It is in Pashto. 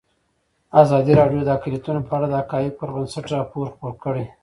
ازادي راډیو د اقلیتونه په اړه د حقایقو پر بنسټ راپور خپور کړی.